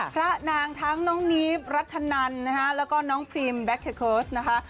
พระนางทั้งน้องนีฟรัฐนันนะคะแล้วก็น้องพรีมแบ็คเคิร์สนะคะ